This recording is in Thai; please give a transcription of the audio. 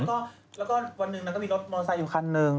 แล้วก็วันนึงนังก็มีรถมอเตอร์ไซค์อยู่คันหนึ่ง